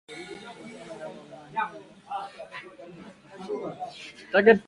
Alisema jambo muhimu ni kuchukua msimamo thabiti na kuzuia manyanyaso